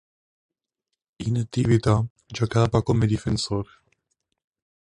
In attività giocava come difensore.